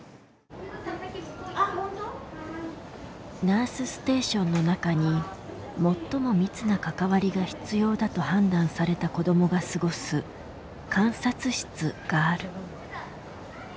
ナースステーションの中に最も密な関わりが必要だと判断された子どもが過ごす「観察室」がある。